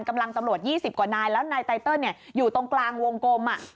ตำรวจ๒๐กว่านายแล้วนายไตเติลอยู่ตรงกลางวงกลม